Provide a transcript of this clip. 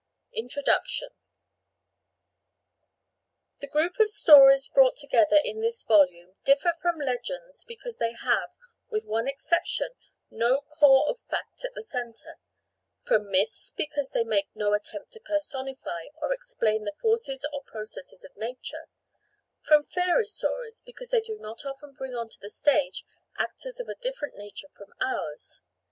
INTRODUCTION The group of stories brought together in this volume differ from legends because they have, with one exception, no core of fact at the centre, from myths because they make no attempt to personify or explain the forces or processes of nature, from fairy stories because they do not often bring on to the stage actors of a different nature from ours.